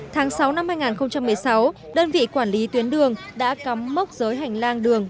tháng sáu năm hai nghìn một mươi sáu đơn vị quản lý tuyến đường đã cắm mốc giới hành lang đường